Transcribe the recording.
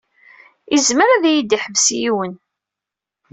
Izmer ad yi-d-iḥbes yiwen.